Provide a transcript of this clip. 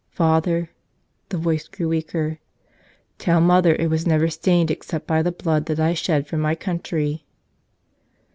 Father," the voice grew weaker, "tell mother it was never stained except by the blood that I shed for my country."